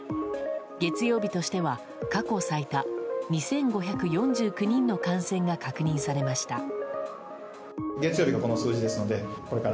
月曜日としては過去最多２５４９人の感染が確認されました。